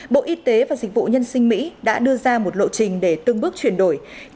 bộ y tế và dịch vụ nhân sinh mỹ đã đưa ra một lộ trình để từng bước chuyển đổi